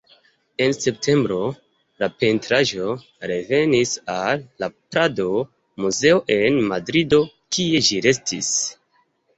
En septembro, la pentraĵo revenis al la Prado-Muzeo en Madrido, kie ĝi restis.